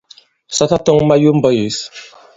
Sa tatɔ̄ŋ mayo i mbɔ̄k yěs.